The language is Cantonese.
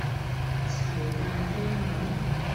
齊大非偶